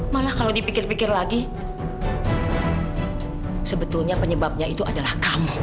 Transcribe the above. malah kalau dipikir pikir lagi sebetulnya penyebabnya itu adalah kamu